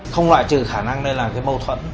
không loại trừ khả năng đây là cái mâu thuẫn